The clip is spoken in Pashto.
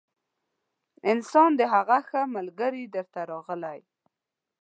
انسان د هغه ښه ملګري در ته راغلی